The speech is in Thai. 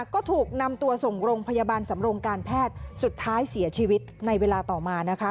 ก็ถูกนำตัวส่งโรงพยาบาลสำรงการแพทย์สุดท้ายเสียชีวิตในเวลาต่อมานะคะ